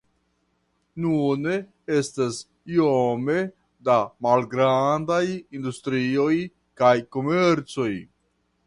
Nune estas iome da malgrandaj industrio kaj komerco.